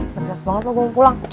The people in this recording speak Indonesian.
perjas banget lo gue mau pulang